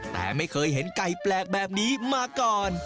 แต่ไม่เคยเห็นไก่แปลกแบบนี้มาก่อน